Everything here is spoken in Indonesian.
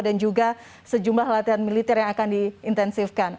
dan juga sejumlah latihan militer yang akan diintensifkan